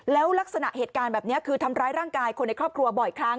แล้วลักษณะเหตุการณ์แบบนี้คือทำร้ายร่างกายคนในครอบครัวบ่อยครั้ง